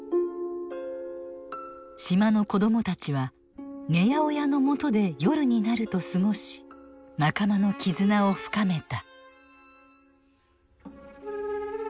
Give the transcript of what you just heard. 島の子供たちは寝屋親のもとで夜になると過ごし仲間の絆を深めた。